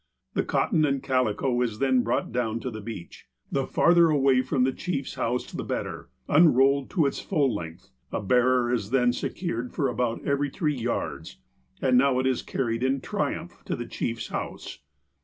The cotton and calico is then brought down to the beach, the farther away from the chiefs house the better, unrolled to its full length ; a bearer is then secured for about every three yards, and now it is carried in triumph to the chief's house.